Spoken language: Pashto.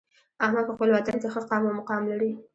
احمد په خپل وطن کې ښه قام او مقام لري.